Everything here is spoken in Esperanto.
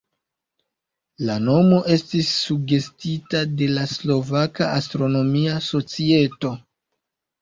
La nomo estis sugestita de la Slovaka Astronomia Societo.